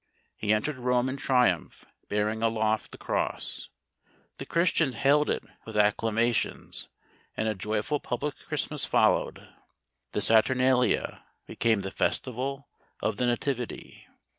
He entered Rome in triumph, bearing aloft the cross. The Christians hailed it with acclama tions, and a joyful public Christmas followed. The Saturnalia became the Festival of the Nativity.